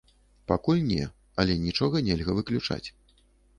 Пакуль не, але нічога нельга выключаць.